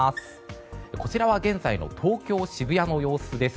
こちらは現在の東京・渋谷の様子です。